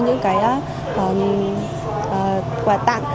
những cái quà tặng